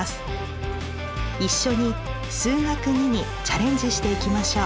一緒に「数学Ⅱ」にチャレンジしていきましょう。